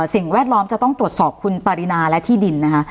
สิ่งแวดล้อมจะต้องตรวจสอบคุณปรินาและที่ดินนะคะ